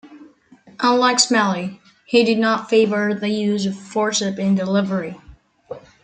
Unlike Smellie, he did not favour the use of forceps in delivery.